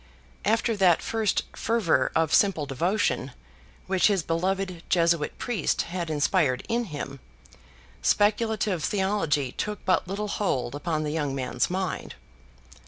After that first fervor of simple devotion, which his beloved Jesuit priest had inspired in him, speculative theology took but little hold upon the young man's mind.